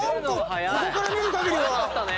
ここから見るかぎりでは。